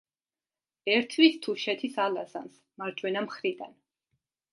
ერთვის თუშეთის ალაზანს მარჯვენა მხრიდან.